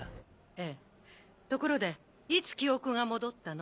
ええところでいつ記憶が戻ったの？